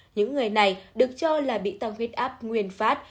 những người này được cho là bị tăng huyết áp nguyên phát